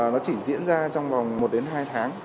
nó chỉ diễn ra trong vòng một đến hai tháng